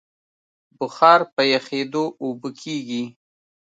بخار په یخېدو اوبه کېږي.